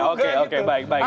oke oke baik baik